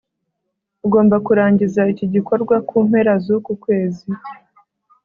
ugomba kurangiza iki gikorwa mu mpera zuku kwezi